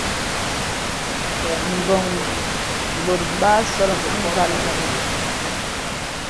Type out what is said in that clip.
Mbwàn bòt basɔlɔ̀m a nzàl vənə.